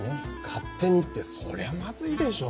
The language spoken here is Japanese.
勝手にってそりゃマズいでしょう。